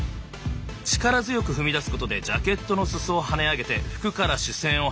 力強く踏み出すことでジャケットの裾をはね上げて服から視線を離さない。